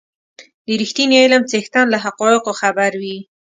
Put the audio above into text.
د رښتيني علم څښتن له حقایقو خبر وي.